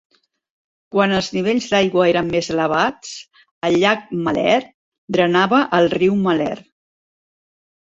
Quan els nivells d'aigua eren més elevats, el llac Malheur drenava al riu Malheur.